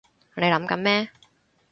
你諗緊咩？